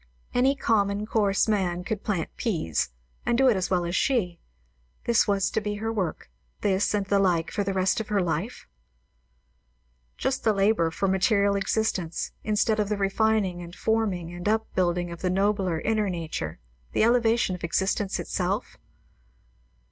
_ Any common, coarse man could plant peas, and do it as well as she; was this to be her work, this and the like, for the rest of her life? Just the labour for material existence, instead of the refining and forming and up building of the nobler, inner nature, the elevation of existence itself?